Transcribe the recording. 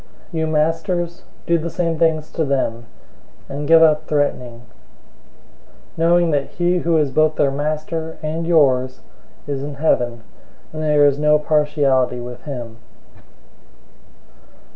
006:009 You masters, do the same things to them, and give up threatening, knowing that he who is both their Master and yours is in heaven, and there is no partiality with him.